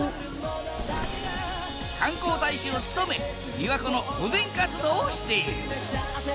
観光大使を務めびわ湖の保全活動をしている。